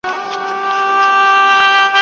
ته بې حسه غوندي پروت وې بوی دي نه کړمه هیڅکله